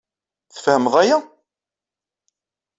Tfehmed aya?